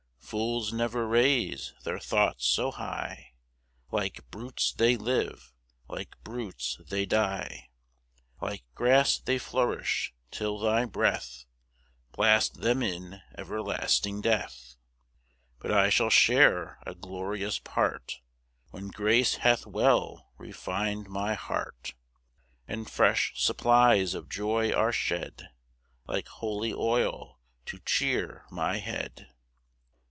4 Fools never raise their thoughts so high; Like brutes they live, like brutes they die; Like grass they flourish, till thy breath Blast them in everlasting death. 5 But I shall share a glorious part When grace hath well refin'd my heart, And fresh supplies of joy are shed Like holy oil, to cheer my head.